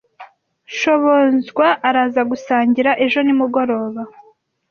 Shobonzwa araza gusangira ejo nimugoroba.